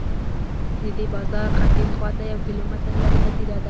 د دې بازار ختیځ خواته یو کیلومتر لرې هدیره ده.